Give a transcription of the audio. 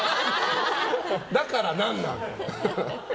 だから何なんだ。